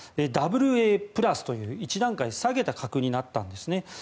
ＡＡ＋という１段階下げた格になったんですね。